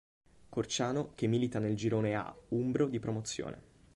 Corciano che milita nel girone A umbro di Promozione.